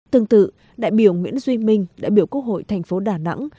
tương tự đại biểu nguyễn duy minh đại biểu quốc hội thành phố đà nẵng